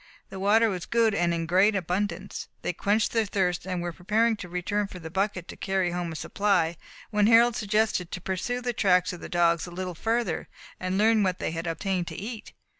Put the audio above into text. The water was good, and in great abundance. They quenched their thirst, and were preparing to return for the bucket to carry home a supply, when Harold suggested to pursue the tracks of the dogs a little further, and learn what they had obtained to eat.